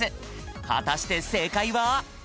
はたして正解は？